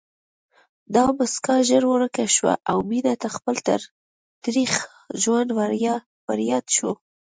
دا مسکا ژر ورکه شوه او مينې ته خپل تريخ ژوند ورياد شو